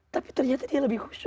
tapi ternyata dia lebih khusyuk